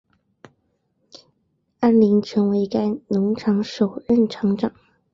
安林成为该农场首任场长。